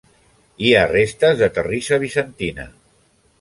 Hi ha restes de terrissa bizantina.